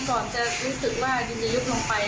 ก่อนจะรู้สึกว่ายินดียุบลงไป